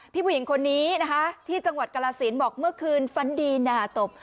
เพียงคนนี้ที่กรบอกเมื่อคืนฝันดีนาตบ